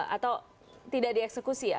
atau tidak dieksekusi ya